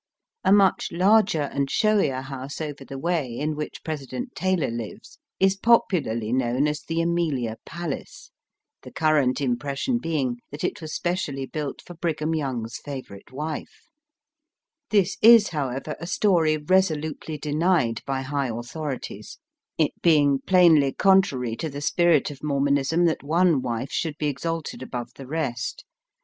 A much larger and showier house over the way, in which President Taylor lives, is popularly known as the Amelia Palace, the current impression being that it was specially built for Brigham Young's favourite wife. This is, however, a story resolutely denied by high authorities, it Digitized by VjOOQIC THE MORMON PRESIDENT AT HOME. 109 being plainly contrary to the spirit of Mor monism that one wife should be exalted above the rest.